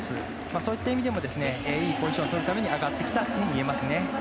そういった意味でもいいポジションをとるために上がってきたと見えますね。